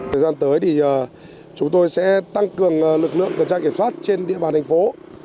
thời gian tới thì chúng tôi sẽ tăng cường lực lượng tuần tra kiểm soát trên địa bàn thành phố